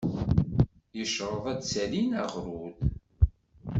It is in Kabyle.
Yecreḍ ad s-salin aɣrud.